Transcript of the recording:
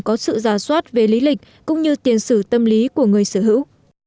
có sự giả soát về lý lịch cũng như tiền sử tâm lý của người sở hữu